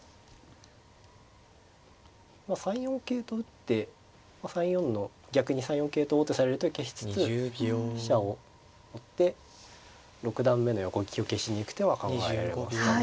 ３四桂と打って３四の逆に３四桂と王手される手を消しつつ飛車を追って六段目の横利きを消しに行く手は考えられますかね。